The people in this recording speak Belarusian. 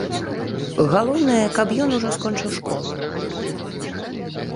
Галоўнае, каб ён ужо скончыў школу.